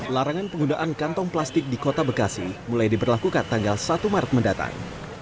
larangan penggunaan kantong plastik di kota bekasi mulai diberlakukan tanggal satu maret mendatang